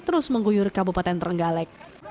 terus mengguyur kabupaten trenggalek